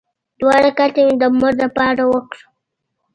دوه رکعته مې هم د مور لپاره وکړل.